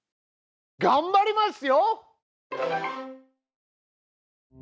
がんばりますよ！